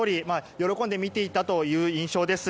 喜んで見ていたという印象です。